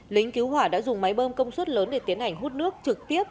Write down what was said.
lính cứu hỏa đã dùng máy bơm công suất lớn để tiến hành hút nước trực tiếp